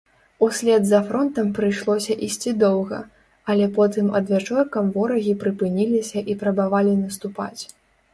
Услед за фронтам прыйшлося ісці доўга, але потым адвячоркам ворагі прыпыніліся і прабавалі наступаць.